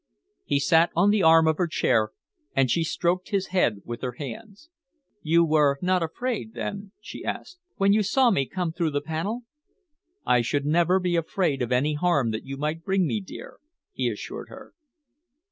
He sat on the arm of her chair, and she stroked his head with her hands. "You were not afraid, then?" she asked, "when you saw me come through the panel?" "I should never be afraid of any harm that you might bring me, dear," he assured her.